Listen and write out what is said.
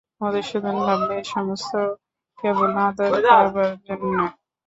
মধুসূদন ভাবলে এ-সমস্ত কেবল আদর-কাড়বার জেন্যে।